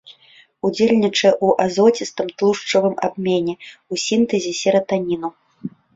Удзельнічае ў азоцістым, тлушчавым абмене, у сінтэзе сератаніну.